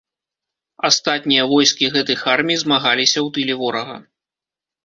Астатнія войскі гэтых армій змагаліся ў тыле ворага.